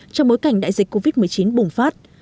trong bối cảnh đại dịch covid một mươi chín bùng phát